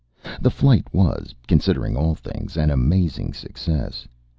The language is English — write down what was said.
The flight was, considering all things, an amazing success.